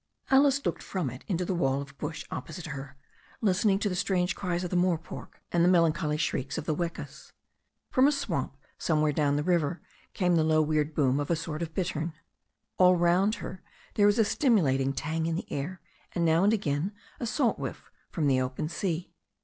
Alice looked from it into the wall of bush opposite her, listening to the strange cries of the morepork and the mel ancholy shrieks of the wekas. From a swamp somewhere down the river came the low weird boom of a sort of bittern. All round her there was a stimulating tang in the air, and now and again a salt whiff from the open sea.